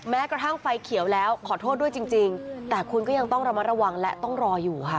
แม้กระทั่งไฟเขียวแล้วขอโทษด้วยจริงแต่คุณก็ยังต้องระมัดระวังและต้องรออยู่ค่ะ